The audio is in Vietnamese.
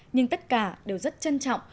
nhưng tất cả đều rất trân trọng